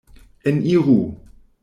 Eniru!